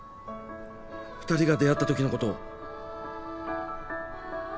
２人が出会った時のこと。